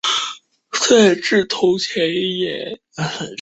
赛制同前一年。